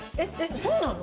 そうなの？